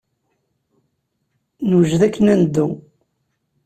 Newjed akken ad neddu.